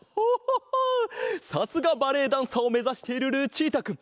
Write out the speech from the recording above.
さすがバレエダンサーをめざしているルチータくん。